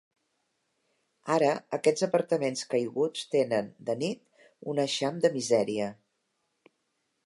Ara, aquests apartaments caiguts tenen, de nit, un eixam de misèria.